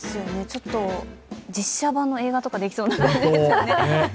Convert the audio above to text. ちょっと実写版の映画とかできそうな感じですよね。